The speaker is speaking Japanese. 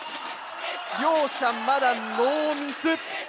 両者まだノーミス。